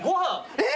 えっ！